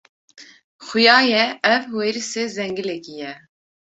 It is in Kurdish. Xuya ye, ev werîsê zengilekî ye.